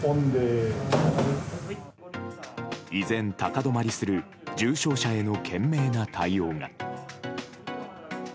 依然、高止まりする重症者への懸命な対応が。